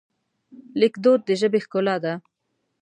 لیکدود د ژبې ښکلا ده.